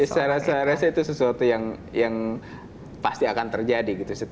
saya rasa itu sesuatu yang pasti akan terjadi gitu